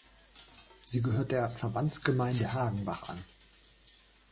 Sie gehört der Verbandsgemeinde Hagenbach an.